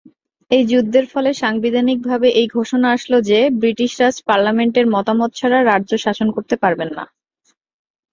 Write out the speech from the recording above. এই যুদ্ধের ফলে সাংবিধানিক ভাবে এই ঘোষণা আসল যে, ব্রিটিশ রাজ পার্লামেন্টের মতামত ছাড়া রাজ্য শাসন করতে পারবেন না।